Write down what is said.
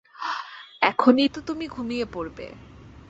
এখনই তো তুমি ঘুমিয়ে পড়বে।